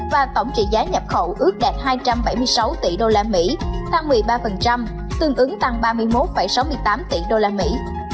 và tổng trị giá nhập khẩu ước đạt hai trăm bảy mươi sáu tỷ đô la mỹ tăng một mươi ba tương ứng tăng ba mươi một sáu mươi tám tỷ đô la mỹ